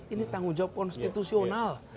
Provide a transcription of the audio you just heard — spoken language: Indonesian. ini tanggung jawab konstitusional